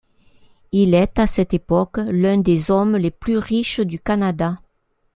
Il est à cette époque l'un des hommes les plus riches du Canada.